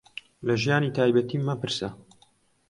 لە ژیانی تایبەتیم مەپرسە.